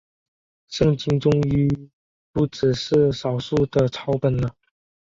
圣经终于不只是少数的抄本了。